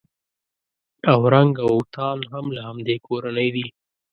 اورنګ اوتان هم له همدې کورنۍ دي.